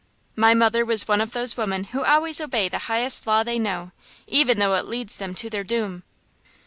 My mother was one of those women who always obey the highest law they know, even though it leads them to their doom.